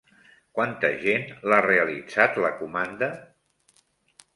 Quanta gent l'ha realitzat, la comanda?